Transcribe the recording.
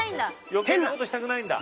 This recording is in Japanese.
余計なことしたくないんだ。